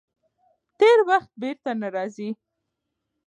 تېر وخت بېرته نه راځي.